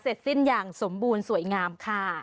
เสร็จสิ้นอย่างสมบูรณ์สวยงามค่ะ